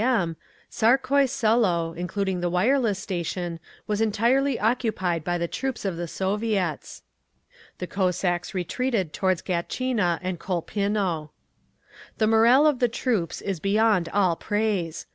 M., Tsarkoye Selo, including the wireless station, was entirely occupied by the troops of the Soviets. The Cossacks retreated towards Gatchina and Colpinno. The morale of the troops is beyond all praise.